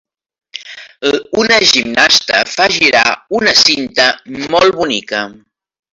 Una gimnasta fa girar una cinta molt bonica.